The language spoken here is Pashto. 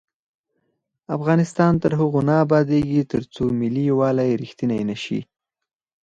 افغانستان تر هغو نه ابادیږي، ترڅو ملي یووالی رښتینی نشي.